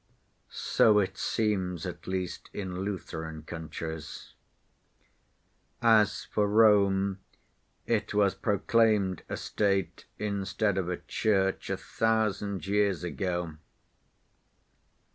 So it seems at least in Lutheran countries. As for Rome, it was proclaimed a State instead of a Church a thousand years ago.